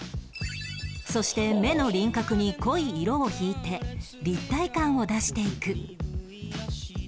そして目の輪郭に濃い色を引いて立体感を出していく